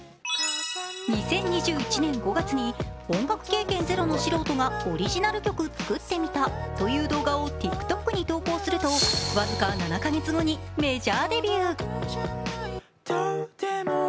２０２１年５月に「音楽経験０の素人がオリジナル曲作ってみた」という動画をＴｉｋＴｏｋに投稿すると僅か７か月後にメジャーデビュー。